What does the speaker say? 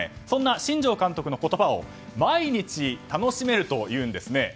そんな新庄監督の言葉を毎日楽しめるというんですね。